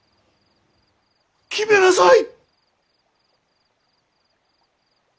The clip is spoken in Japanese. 決めなさい。